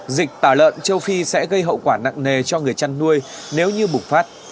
dịch tả lợn chống phí sẽ gây hậu quả nặng nề cho người chăn nuôi nếu như bùng phát